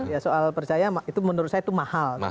ya soal percaya itu menurut saya itu mahal